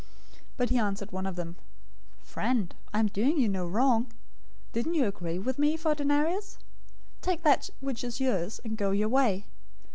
020:013 "But he answered one of them, 'Friend, I am doing you no wrong. Didn't you agree with me for a denarius? 020:014 Take that which is yours, and go your way.